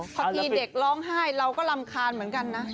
บางทีเด็กร้องไห้เราก็รำคาญเหมือนกันนะ